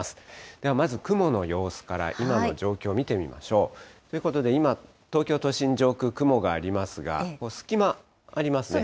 ではまず雲の様子から、今の状況を見てみましょう。ということで、今、東京都心、上空、雲がありますが、隙間ありますね。